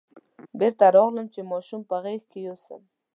بېرته راغلم چې ماشوم په غېږ کې یوسم.